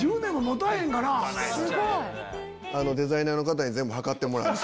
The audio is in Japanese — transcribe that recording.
デザイナーの方に測ってもらって。